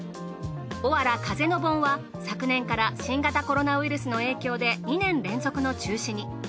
おわら風の盆は昨年から新型コロナウイルスの影響で２年連続の中止に。